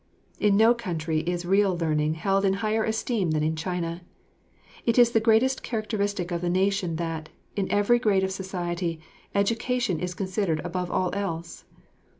In no country is real learning held in higher esteem than in China. It is the greatest characteristic of the nation that, in every grade of society, education is considered above all else.